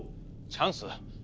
チャンス？